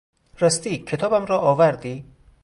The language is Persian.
راستی، کتابم را آوردی؟